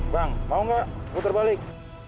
bang mau gak puter balik